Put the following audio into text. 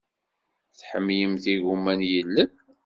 Tḥemmlemt igumma n yilel?